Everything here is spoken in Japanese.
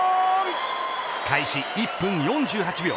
開始１分４８秒。